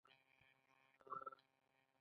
مخکې مو وویل چې د کار موضوع بیلابیل ډولونه لري.